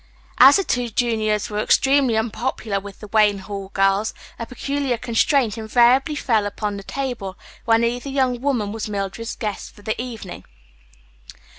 As the two juniors were extremely unpopular with the Wayne Hall girls a peculiar constraint invariably fell upon the table when either young woman was Mildred's guest for the evening.